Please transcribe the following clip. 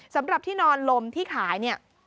สำหรับที่นอนลมที่ขายเนี่ย